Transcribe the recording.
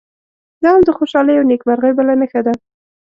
دا هم د خوشالۍ او نیکمرغۍ بله نښه ده.